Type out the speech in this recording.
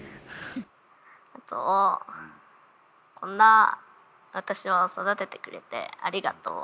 あとこんな私を育ててくれてありがとう。